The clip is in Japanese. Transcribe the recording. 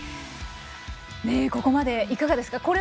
ここまでいかがですか？